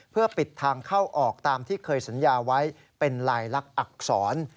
เพื่อปิดทางเข้าออกตามที่เคยสัญญาไว้เป็นลายลักษณอักษร